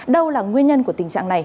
đâu là nguyên nhân của tình trạng này